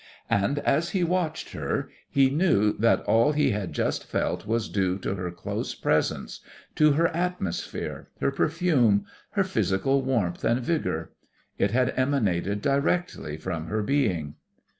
And as he watched her he knew that all he had just felt was due to her close presence, to her atmosphere, her perfume, her physical warmth and vigour. It had emanated directly from her being.